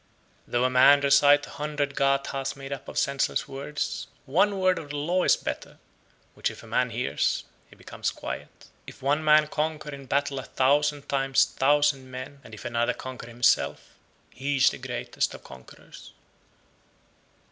102. Though a man recite a hundred Gathas made up of senseless words, one word of the law is better, which if a man hears, he becomes quiet. 103. If one man conquer in battle a thousand times thousand men, and if another conquer himself, he is the greatest of conquerors.